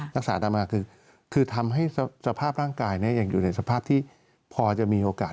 ตามมาคือทำให้สภาพร่างกายยังอยู่ในสภาพที่พอจะมีโอกาส